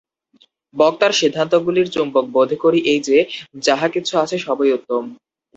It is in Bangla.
বক্তার সিদ্ধান্তগুলির চুম্বক বোধ করি এই যে, যাহা কিছু আছে, সবই উত্তম।